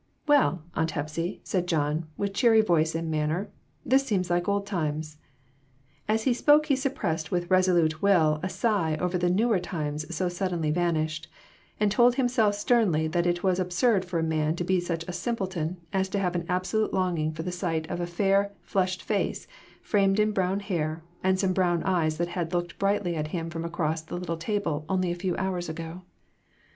"Well, Aunt Hepsy," said John, with cheery voice and manner, "this seems like old times." As he spoke he suppressed with resolute will a sigh over the newer times so suddenly vanished, and told himself sternly that it was absurd for a man to be such a simpleton as to have an absolute longing for the sight of a fair, flushed face, framed in brown hair, and some brown eyes that had looked brightly at him from across this little table only a few hours ago.